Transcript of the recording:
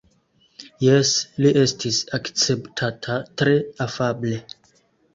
Jes, li estis akceptata tre afable.